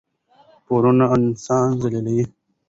پورونه انسان ذلیلوي.